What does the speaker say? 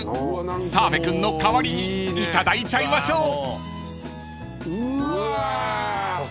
［澤部君の代わりにいただいちゃいましょう］